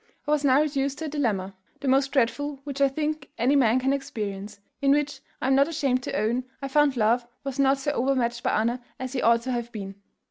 I was now reduced to a dilemma, the most dreadful which I think any man can experience; in which, I am not ashamed to own, I found love was not so overmatched by honour as he ought to have been.